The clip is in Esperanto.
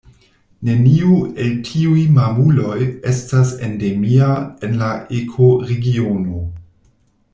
Neniu el tiuj mamuloj estas endemia en la ekoregiono.